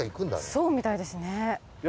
そうみたいですね。